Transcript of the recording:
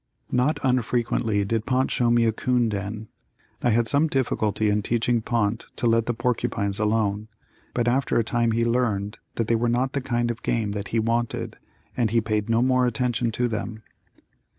Not unfrequently did Pont show me a 'coon den. I had some difficulty in teaching Pont to let the porcupines alone, but after a time he learned that they were not the kind of game that he wanted, and he paid no more attention to them.